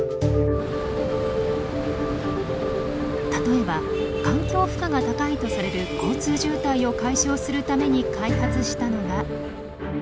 例えば環境負荷が高いとされる交通渋滞を解消するために開発したのが。